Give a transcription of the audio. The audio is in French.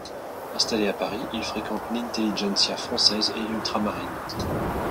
Installé à Paris, il fréquente l'intelligentsia française et ultra-marine.